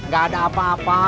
gak ada apa apa